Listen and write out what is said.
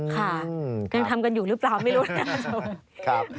ค่ะทำกันอยู่หรือเปล่าไม่รู้นะสมมุติค่ะครับ